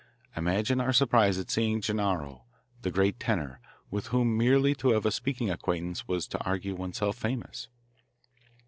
Imagine our surprise at seeing Gennaro, the great tenor, with whom merely to have a speaking acquaintance was to argue oneself famous.